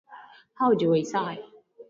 How do I cite?